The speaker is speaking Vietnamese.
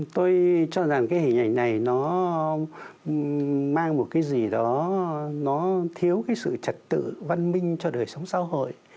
tôi cho rằng cái hình ảnh này nó mang một cái gì đó nó thiếu cái sự trật tự văn minh cho đời sống xã hội